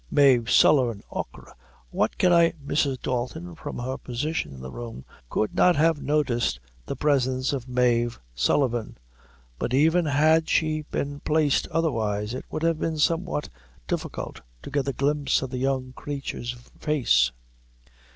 "Mave Sullivan, achora, what can I " Mrs. Dalton, from her position in the room, could not have noticed the presence of Mave Sullivan, but even had she been placed otherwise, it would have been somewhat difficult to get a glimpse of the young creature's face.